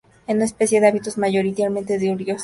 Es una especie de hábitos mayoritariamente diurnos.